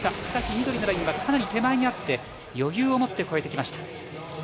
しかし、緑のラインはかなり手前にあって余裕を持って越えてきました。